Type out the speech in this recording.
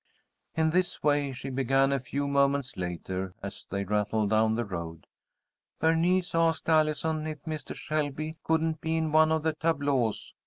"It's this way," she began a few moments later, as they rattled down the road; "Bernice asked Allison if Mister Shelby couldn't be in one of the tableaux.